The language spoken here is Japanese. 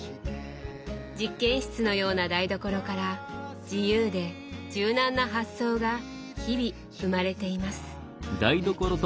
実験室のような台所から自由で柔軟な発想が日々生まれています。